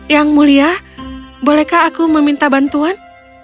yang mulia bolehkah aku meminta bantuan